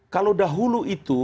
kalau dahulu itu